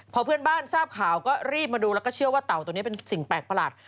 พอเพื่อนบ้านทราบข่าวก็รีบมาดูแล้วก็เชื่อว่าเต่าตัวนี้เป็นสิ่งแปลกประหลาด